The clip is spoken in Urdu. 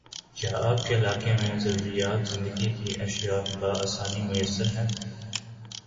کیا آپ کے علاقے میں ضروریاتِ زندگی کی اشیاء باآسانی میسر ہیں؟